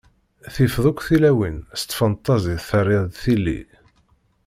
Tifeḍ akk tilawin, s tfentaẓit terriḍ-d tili.